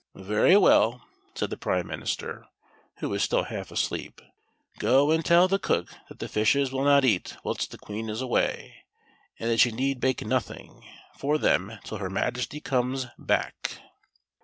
"Very well," said the prime minister, who was still half asleep ;" go and tell the cook that the fishes will not eat whilst the Queen is away, and that she need bake nothing for them till her Majesty comes back."